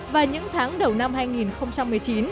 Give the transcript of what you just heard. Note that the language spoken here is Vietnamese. và những tháng đầu năm hai nghìn một mươi chín